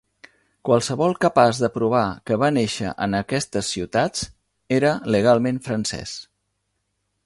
Qualsevol capaç de provar que va néixer en aquestes ciutats era legalment francès.